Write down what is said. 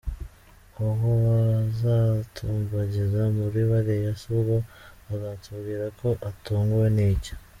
Uwo bazatumbagiza muri bariya se ubwo azatubwira ko atunguwe n'iki? .